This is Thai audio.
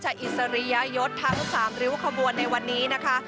อิสริยยศทั้ง๓ริ้วขบวนในวันนี้นะคะ